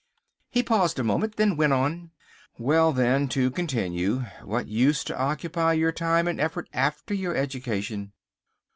He paused a moment. Then went on: "Well, then, to continue, what used to occupy your time and effort after your education?"